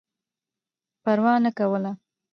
پروا نه کوله.